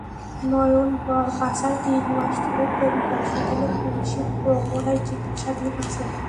নয়ন বাছার তিন মাস ধরে পঙ্গু হাসপাতালে পুলিশি প্রহরায় চিকিৎসাধীন আছেন।